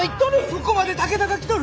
そこまで武田が来とる！